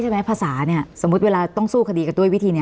ไม่มีค่ะ